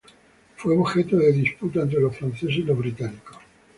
Fue objeto de disputa entre los franceses y los británicos.